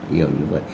hiểu như vậy